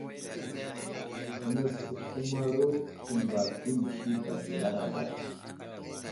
Nəsəkəmaro təmbak inisi bak i laraba.